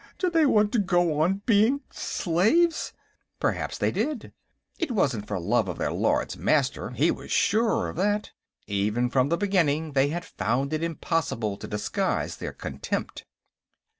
Do they want to go on being slaves?" Perhaps they did. It wasn't for love of their Lords Master; he was sure of that. Even from the beginning, they had found it impossible to disguise their contempt....